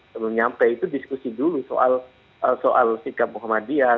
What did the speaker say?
sebelum nyampe itu diskusi dulu soal sikap muhammadiyah